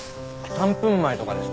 ３分前とかです。